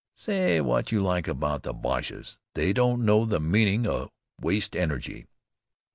"Say what you like about the Boches, they don't know the meaning of waste energy."